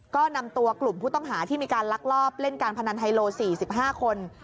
ก็นำตัวกลุ่มผู้ต้องหาที่มีการลักลอบเล่นการพนันไฮโล๔๕คน